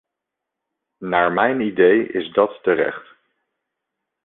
Naar mijn idee is dat terecht.